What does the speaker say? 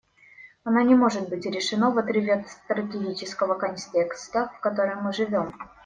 Оно не может быть решено в отрыве от стратегического контекста, в котором мы живем.